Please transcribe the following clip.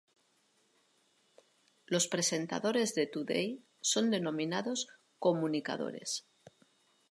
Los presentadores de "Today" son denominados "comunicadores".